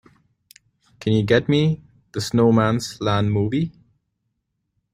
Can you get me the Snowman's Land movie?